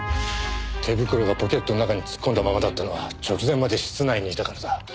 手袋がポケットの中に突っ込んだままだったのは直前まで室内にいたからだ。